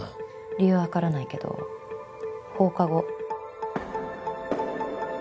理由はわからないけど放課後。